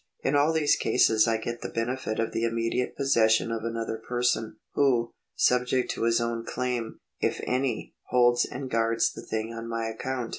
In all these cases I get the benefit of the immediate possession of another person, who, subject to his own claim, if any, holds and guards the thing on my account.